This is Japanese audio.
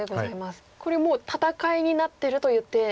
これもう戦いになってるといって。